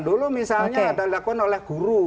dulu misalnya dilakukan oleh guru